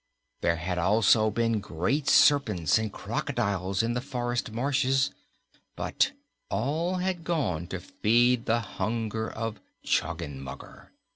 There had also been great serpents and crocodiles in the forest marshes, but all had gone to feed the hunger of Choggenmugger.